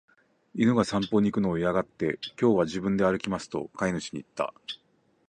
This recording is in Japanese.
犬が散歩に行くのを嫌がって、「今日は自分で歩きます」と飼い主に言った。